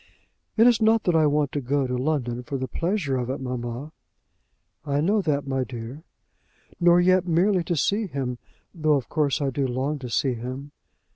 "It is not that I want to go to London for the pleasure of it, mamma." "I know that, my dear." "Nor yet merely to see him! though of course I do long to see him!"